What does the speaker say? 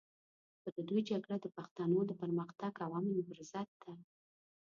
خو د دوی جګړه د پښتنو د پرمختګ او امن پر ضد ده.